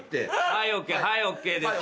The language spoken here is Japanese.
はいＯＫはいＯＫです。